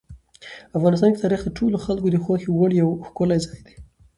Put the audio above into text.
افغانستان کې تاریخ د ټولو خلکو د خوښې وړ یو ښکلی ځای دی.